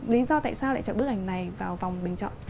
lý do tại sao lại chọn bức ảnh này vào vòng bình chọn